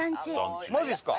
マジですか？